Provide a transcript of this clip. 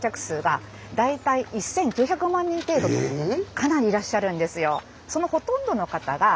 かなりいらっしゃるんですよ。